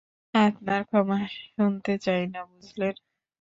আপনার ক্ষমা শুনতে চাই না, বুঝলেন?